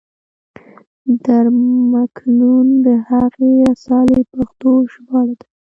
در مکنون د هغې رسالې پښتو ژباړه ده.